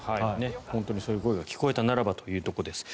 本当にそういう声が聞こえたならばというところです。